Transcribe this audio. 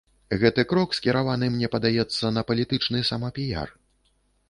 Гэты крок скіраваны, мне падаецца, на палітычны самапіяр.